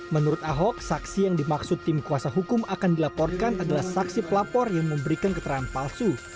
menurut ahok saksi yang dimaksud tim kuasa hukum akan dilaporkan adalah saksi pelapor yang memberikan keterangan palsu